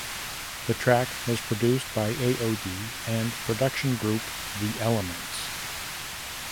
The track was produced by AoD and production group The Elements.